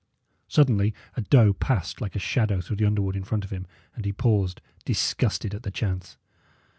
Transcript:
Suddenly a doe passed like a shadow through the underwood in front of him, and he paused, disgusted at the chance.